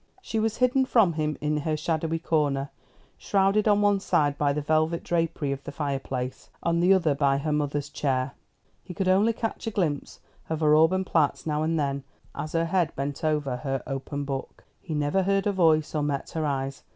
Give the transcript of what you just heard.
She was hidden from him in her shadowy corner; shrouded on one side by the velvet drapery of the fireplace, on the other by her mother's chair. He could only catch a glimpse of her auburn plaits now and then as her head bent over her open book. He never heard her voice, or met her eyes.